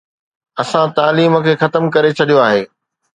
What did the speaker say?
اسان تعليم کي ختم ڪري ڇڏيو آهي.